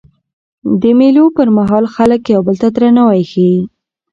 د مېلو پر مهال خلک یو بل ته درناوی ښيي.